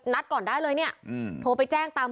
ก่อนได้เลยเนี่ยโทรไปแจ้งตาม